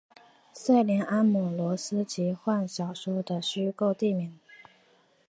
塞林安姆罗斯奇幻小说的虚构地名。